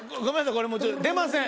これもう出ません